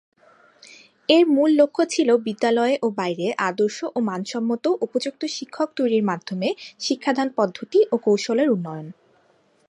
এর মূল লক্ষ্য ছিল বিদ্যালয়ে ও বাইরে আদর্শ ও মানসম্মত উপযুক্ত শিক্ষক তৈরির মাধ্যমে শিক্ষাদান পদ্ধতি ও কৌশলের উন্নয়ন।